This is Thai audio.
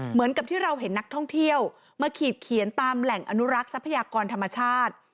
เหมือนกับที่เราเห็นนักท่องเที่ยวมาขีดเขียนตามแหล่งอนุรักษ์ทรัพยากรธรรมชาติ